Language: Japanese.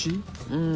うん。